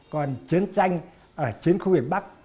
còn chiến tranh ở chiến khu việt bắc